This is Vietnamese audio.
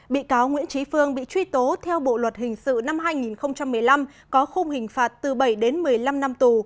bị cáo nguyễn trí phương bị truy tố theo bộ luật hình sự năm hai nghìn một mươi năm có khung hình phạt từ bảy đến một mươi năm năm tù